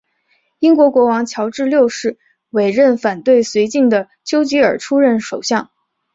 英国国王乔治六世委任反对绥靖的邱吉尔出任首相。